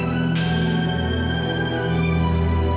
dan aku gak bisa